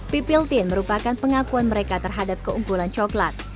pipil tin merupakan pengakuan mereka terhadap keunggulan coklat